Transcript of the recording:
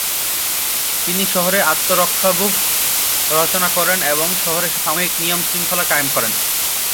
তিনি শহরে আত্মরক্ষাব্যুহ রচনা করেন এবং শহরে সামরিক নিয়ম-শৃঙ্খলা কায়েম করেন।